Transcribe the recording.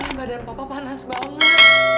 aduh mama badan papa panas banget